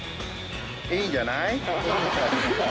いいんじゃない。